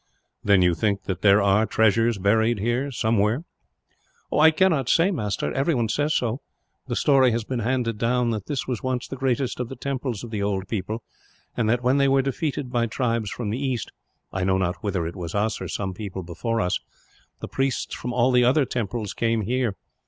"Then you think that there are treasures buried here, somewhere?" "I cannot say, master; everyone says so. The story has been handed down that this was once the greatest of the temples of the old people; and that, when they were defeated by tribes from the east I know not whether it was us, or some people before us the priests from all the other temples came here.